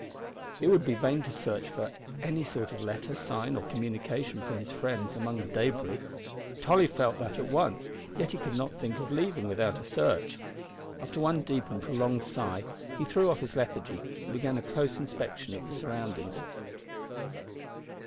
It would be vain to search for any sort of letter, sign, or communication from his friends among the debris. Tolly felt that at once, yet he could not think of leaving without a search. After one deep and prolonged sigh he threw off his lethargy, and began a close inspection of the surroundings.